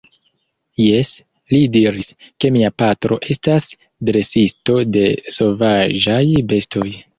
Jes, li diris, ke mia patro estas dresisto de sovaĝaj bestoj.